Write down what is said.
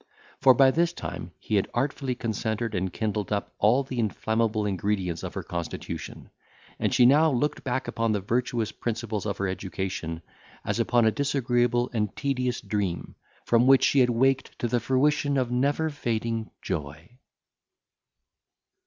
For by this time he had artfully concentred and kindled up all the inflammable ingredients of her constitution; and she now looked back upon the virtuous principles of her education, as upon a disagreeable and tedious dream, from which she had waked to the fruition of never fading joy.